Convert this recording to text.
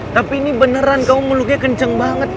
tapi ini beneran kamu meluknya kenceng banget